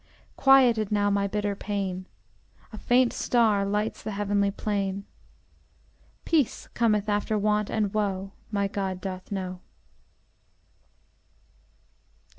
Quieted now my bitter pain; A faint star lights the heavenly plain; Peace cometh after want and woe My God doth know.